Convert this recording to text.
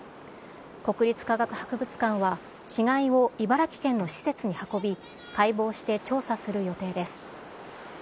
国立科学博物館は、死骸を茨城県の施設に運び、解剖して調査する予定です。